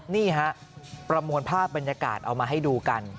นี่ฮะประมวลภาพบรรยากาศเอามาให้ดูกัน